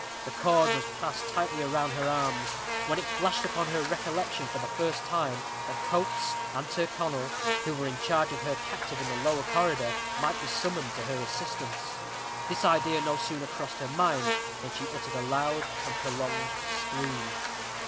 The cord was passed tightly round her arms, when it flashed upon her recollection for the first time that Coates and Tyrconnel, who were in charge of her captive in the lower corridor, might be summoned to her assistance. This idea no sooner crossed her mind than she uttered a loud and prolonged scream.